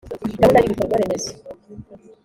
gahunda y’ibikorwa remezo